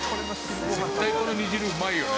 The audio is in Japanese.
「絶対この煮汁うまいよね」